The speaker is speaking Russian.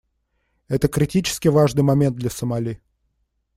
Это критически важный момент для Сомали.